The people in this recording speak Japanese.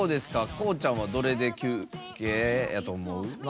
こうちゃんさんは、どれで休憩やと思う？